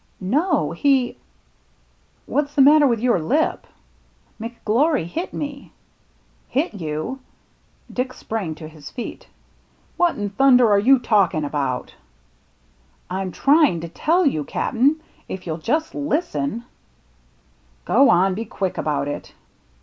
"No, he —"" What's the matter .with your lip ?"" McGlory hit me." " Hit you !" Dick sprang to his feet. " What in thunder are you talking about ?" 128 THE MERRT ANNE " Tm tryin' to tell you, Cap'n, if you'll just listen —"" Go on, be quick about it."